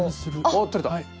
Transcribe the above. おっとれた！